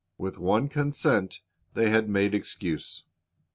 With one consent they had made excuse.